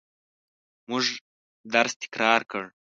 موږ درس تکرار کړ.